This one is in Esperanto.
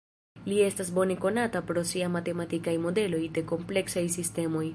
Li estas bone konata pro sia matematikaj modeloj de kompleksaj sistemoj.